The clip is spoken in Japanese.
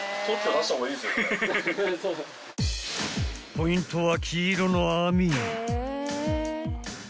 ［ポイントは］